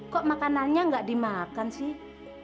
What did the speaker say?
kok makanannya nggak dimakan sih